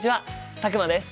佐久間です。